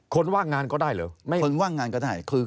คนว่างงานก็ได้คือคนที่ไม่มีเงินเดือน